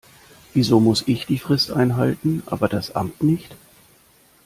Wieso muss ich die Frist einhalten, aber das Amt nicht.